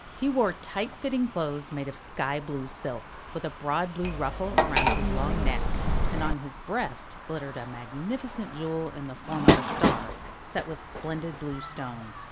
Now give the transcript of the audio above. He wore tight fitting clothes made of sky blue silk, with a broad blue ruffle around his long neck, and on his breast glittered a magnificent jewel in the form of a star, set with splendid blue stones.